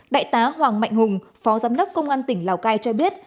đại tá hoàng mạnh hùng phó giám đốc công an tỉnh lào cai cho biết